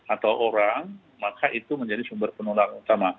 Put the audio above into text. atau orang maka itu menjadi sumber penularan utama